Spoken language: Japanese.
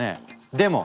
でも！